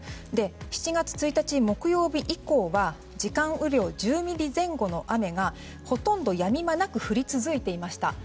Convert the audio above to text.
７月１日木曜日以降は時間雨量１０ミリ前後の雨がほとんど、やみ間なく降り続いていました。